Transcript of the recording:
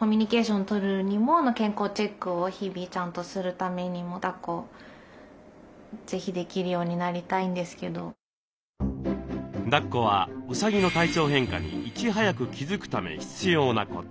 コミュニケーションとるにも健康チェックを日々ちゃんとするためにもだっこはうさぎの体調変化にいち早く気付くため必要なこと。